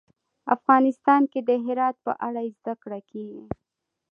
افغانستان کې د هرات په اړه زده کړه کېږي.